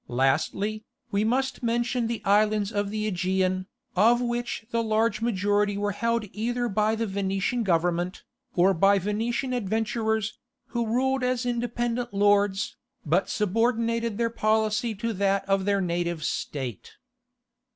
Lastly, we must mention the islands of the Aegean, of which the large majority were held either by the Venetian government, or by Venetian adventurers, who ruled as independent lords, but subordinated their policy to that of their native state.